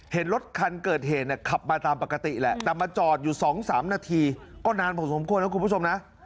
เห็นรถคันเกิดเหตุเนี่ยขับมาตามปกติแหละแต่มาจอดอยู่๒๓นาทีก็นานพอสมควรนะคุณผู้ชมนะ